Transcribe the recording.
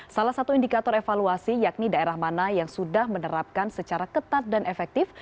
salah satu indikator evaluasi yakni daerah mana yang sudah menerapkan secara ketat dan efektif